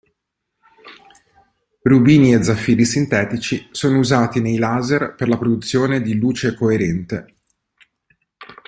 Rubini e zaffiri sintetici sono usati nei laser per la produzione di luce coerente.